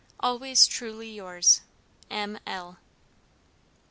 "Always truly yours, "M. L."